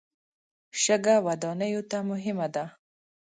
شګه ودانیو ته مهمه ده.